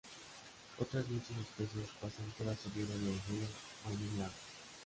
Otras muchas especies pasan toda su vida en el río o en un lago.